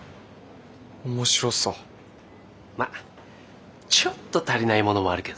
まっちょっと足りないものもあるけどね。